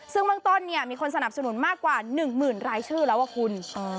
ซึ่งบางต้นเนี่ยมีคนสนับสนุนมากกว่า๑หมื่นรายชื่อแล้วว่าคุณ